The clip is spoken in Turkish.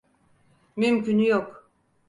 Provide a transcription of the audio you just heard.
Mümkünü yok.